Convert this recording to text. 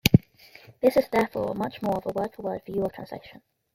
This is therefore much more of a word-for-word view of translation.